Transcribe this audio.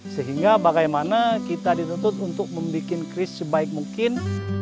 sehingga bagaimana kita ditutup untuk membuat keris sebaik mungkin